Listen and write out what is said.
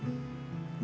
kita mau ke rumah